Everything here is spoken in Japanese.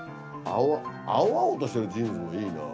青々としてるジーンズもいいなぁ。